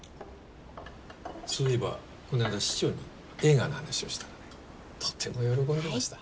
そういえばこの間市長に映画の話をしたらとても喜んでました。